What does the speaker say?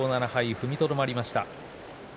踏みとどまりました。